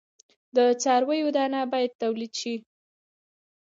د څارویو دانه باید تولید شي.